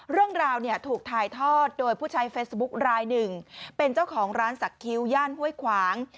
เรื่องราวเนี่ยถูกถ่ายทอดโดยผู้ใช้เฟซบุ๊คลายหนึ่งเป็นเจ้าของร้านสักคิ้วย่านห้วยขวาง